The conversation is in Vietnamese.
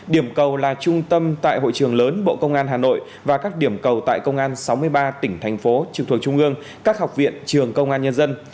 điểm cầu là trung tâm tại hội trường lớn bộ công an hà nội và các điểm cầu tại công an sáu mươi ba tỉnh thành phố trực thuộc trung ương các học viện trường công an nhân dân